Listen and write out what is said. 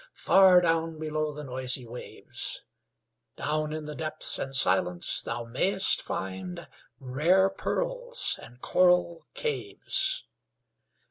far down below the noisy waves, Down in the depths and silence thou mayst find Rare pearls and coral caves.